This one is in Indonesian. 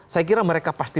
saya kira mereka pasti